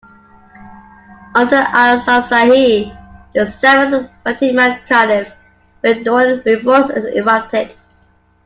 Under Ali az-Zahir, the seventh Fatimid Khalif, Bedouin revolts erupted.